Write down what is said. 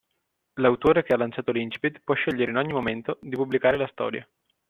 L'autore che ha lanciato l'Incipit può scegliere in ogni momento di pubblicare la storia.